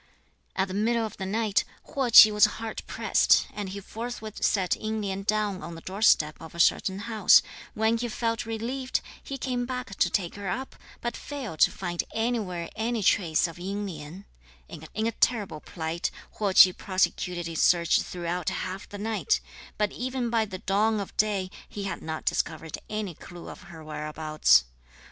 About the middle of the night, Huo Ch'i was hard pressed, and he forthwith set Ying Lien down on the doorstep of a certain house. When he felt relieved, he came back to take her up, but failed to find anywhere any trace of Ying Lien. In a terrible plight, Huo Ch'i prosecuted his search throughout half the night; but even by the dawn of day, he had not discovered any clue of her whereabouts.